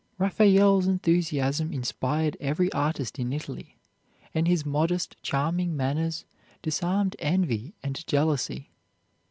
Raphael's enthusiasm inspired every artist in Italy, and his modest, charming manners disarmed envy and jealousy.